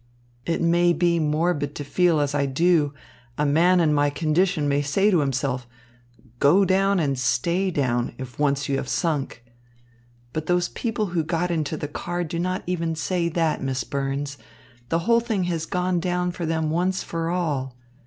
"It may be morbid to feel as I do. A man in my condition may say to himself, 'Go down and stay down, if once you have sunk.' But those people who got into the car do not even say that, Miss Burns. The whole thing has gone down for them once for all.